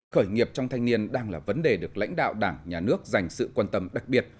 khởi nghiệp trong thanh niên đang là vấn đề được lãnh đạo đảng nhà nước dành sự quan tâm đặc biệt